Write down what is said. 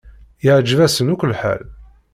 Yeɛjeb-asen akk lḥal.